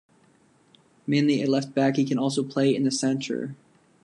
Mainly a left back, he can also play in the centre.